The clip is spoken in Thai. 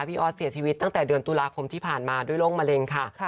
ออสเสียชีวิตตั้งแต่เดือนตุลาคมที่ผ่านมาด้วยโรคมะเร็งค่ะ